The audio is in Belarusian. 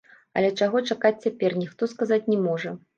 Але чаго чакаць цяпер, ніхто сказаць не можа.